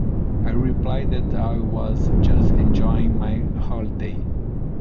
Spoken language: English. I replied that I was just enjoying my holiday.